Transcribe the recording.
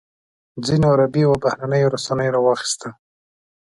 ځینو عربي او بهرنیو رسنیو راواخیسته.